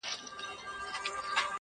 شیخه زما یې ژبه حق ویلو ته تراشلې ده -